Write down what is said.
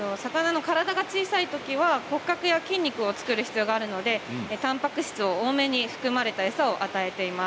体が小さいときには骨格や筋肉を作る必要があるのでたんぱく質が多めに含まれた餌です。